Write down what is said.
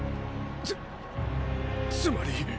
つつまり。